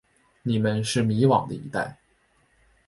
你们是迷惘的一代。